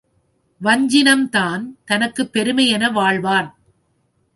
வஞ்சினம்தான் தனக்குப் பெருமை என வாழ்வான்.